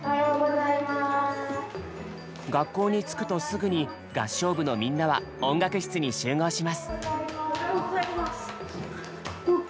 学校に着くとすぐに合唱部のみんなは音楽室に集合します。